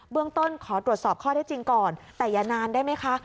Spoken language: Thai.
เรื่องต้นขอตรวจสอบข้อได้จริงก่อนแต่อย่านานได้ไหมคะ